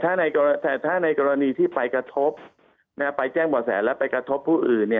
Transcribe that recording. ถ้าในกรณีที่ไปกระทบไปแจ้งบ่อแสแล้วไปกระทบผู้อื่น